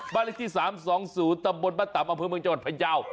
บ้านหลักที่๓๒๐ตะบลมันตะมาภาพเผื่อเมืองจังหวัดพระเจ้า